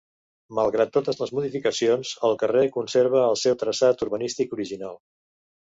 Malgrat totes les modificacions, el carrer conserva el seu traçat urbanístic original.